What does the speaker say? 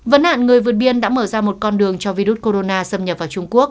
vấn nạn người vượt biên đã mở ra một con đường cho virus corona xâm nhập vào trung quốc